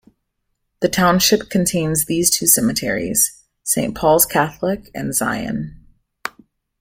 The township contains these two cemeteries: Saint Paul's Catholic and Zion.